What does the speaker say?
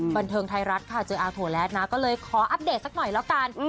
บันเทิงไทยรัฐค่ะเจออาโถแล้วนะก็เลยขออัปเดตสักหน่อยแล้วกัน